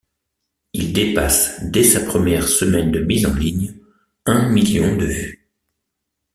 Il dépasse dès sa première semaine de mise en ligne un million de vues.